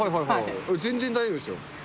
全然大丈夫ですよ。